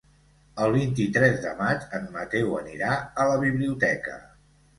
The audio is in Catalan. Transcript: El vint-i-tres de maig en Mateu anirà a la biblioteca.